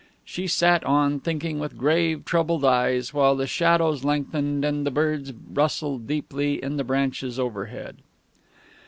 She sat on, thinking, with grave, troubled eyes, while the shadows lengthened and the birds rustled sleepily in the branches overhead.